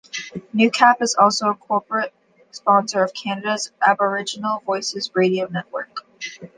Newcap is also a corporate sponsor of Canada's Aboriginal Voices radio network.